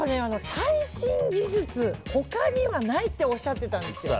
最新技術、他にはないとおっしゃってたんですよ。